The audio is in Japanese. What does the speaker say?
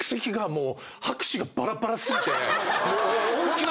もう。